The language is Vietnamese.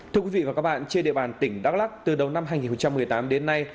thưa quý vị và các bạn trên địa bàn tỉnh đắk lắc từ đầu năm hai nghìn một mươi tám đến nay